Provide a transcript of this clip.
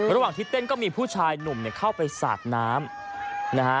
ระหว่างที่เต้นก็มีผู้ชายหนุ่มเนี่ยเข้าไปสาดน้ำนะฮะ